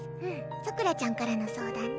さくらちゃんからの相談ね。